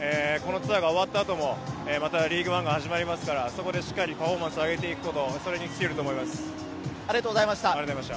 このツアーが終わった後もまたリーグワンが始まりますから、そこでしっかりパフォーマンスを上げていくこと、それに尽きると思います。